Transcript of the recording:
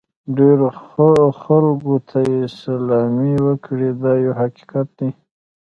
ډېرو خلکو ته سلامي وکړئ دا یو حقیقت دی.